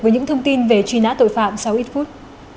với những thông tin về truy nã tội phạm sau ít phút